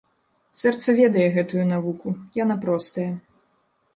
Сэрца ведае гэтую навуку, яна простая.